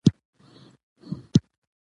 سره له دې کور په ښه توګه سمبال شوی و